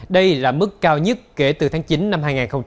đây là mức cao nhất kể từ tháng chín năm hai nghìn một mươi hai